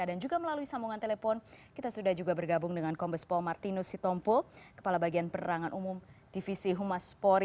dan juga melalui sambungan telepon kita sudah juga bergabung dengan kompos pol martinus sitompul kepala bagian pererangan umum divisi humas pori